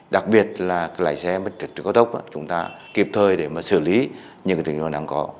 đặc biệt là cái lái xe bất kỳ tuyến cao tốc chúng ta kịp thời để mà xử lý những cái tình huống đang có